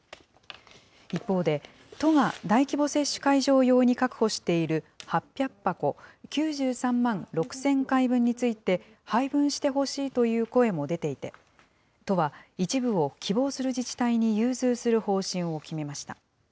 一方で、都が大規模接種会場用に確保している８００箱９３万６０００回分について、配分してほしいという声も出ていて、都は一部を希望する自治体に融通する方針を決めました。